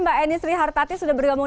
mbak eni srihartati sudah bergabung